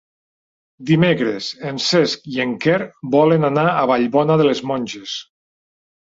Dimecres en Cesc i en Quer volen anar a Vallbona de les Monges.